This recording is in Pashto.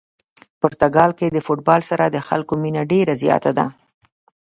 پرتګال کې د فوتبال سره د خلکو مینه ډېره زیاته ده.